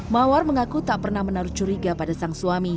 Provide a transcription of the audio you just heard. mawar mengaku tak pernah menaruh curiga pada sang suami